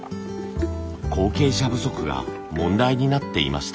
後継者不足が問題になっていました。